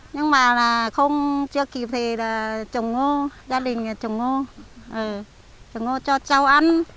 nhưng mà không chưa kịp thì trồng ngô gia đình trồng ngô trồng ngô cho châu ăn